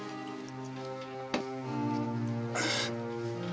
ああ！